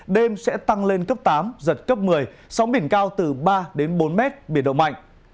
đêm sẽ tăng lên cấp tám giật cấp một mươi sóng biển cao từ ba đến bốn mét biển động mạnh